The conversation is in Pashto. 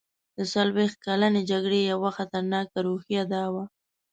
د څلوېښت کلنې جګړې یوه خطرناکه روحیه دا وه.